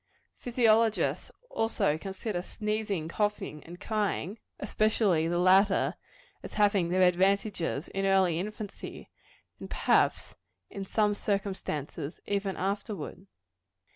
Physiologists also consider sneezing, coughing and crying, especially the latter, as having their advantages, in early infancy, and perhaps, in same circumstances, even afterward.